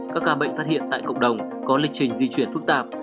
các ca bệnh phát hiện tại cộng đồng có lịch trình di chuyển phức tạp